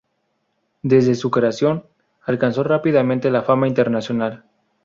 Desde su creación, alcanzó rápidamente la fama internacional.